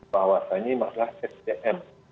bahwasannya masalah sdm